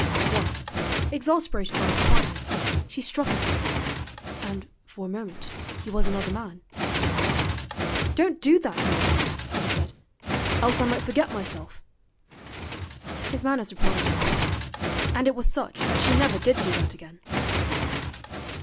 Once, exasperated by his quietness, she struck at him, and for a moment he was another man. 'Don't do that, Melier,' he said, 'else I might forget myself.' His manner surprised his wife: and it was such that she never did do that again.